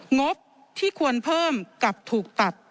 งบที่ควรเพิ่มกลับถูกตัด